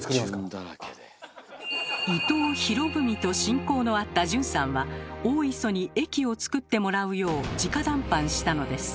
伊藤博文と親交のあった順さんは大磯に駅を造ってもらうよう直談判したのです。